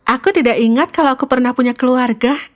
aku tidak ingat kalau aku pernah punya keluarga